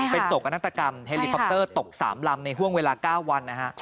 เป็นโต๊ะกนักฏกรรมเฮลีคอปเตอร์ตก๓ลำในห่วงเวลา๙วัน